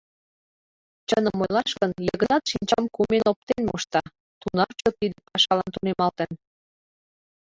Чыным ойлаш гын, Йыгнат шинчам кумен оптен мошта, тунар чот тиде пашалан тунемалтын.